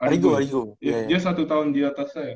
dia satu tahun di atas saya